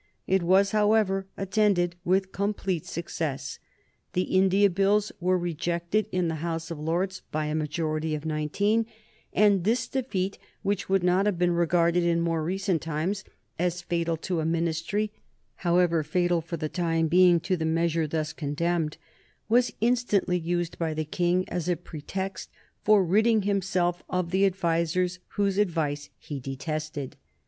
It was, however, attended with complete success. The India Bills were rejected in the House of Lords by a majority of nineteen, and this defeat, which would not have been regarded in more recent times as fatal to a Ministry, however fatal for the time being to the measure thus condemned, was instantly used by the King as a pretext for ridding himself of the advisers whose advice he detested.